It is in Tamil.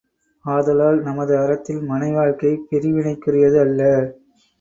ஆதலால், நமது அறத்தில் மனை வாழ்க்கை, பிரிவினைக்குரியது அல்ல.